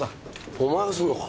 お前がすんのか？